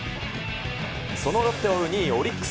そのロッテを追う２位オリックス。